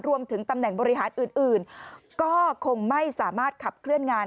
รวมถึงตำแหน่งบริหารอื่นก็คงไม่สามารถขับเคลื่อนงาน